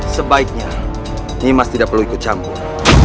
sebaiknya nimas tidak perlu ikut campur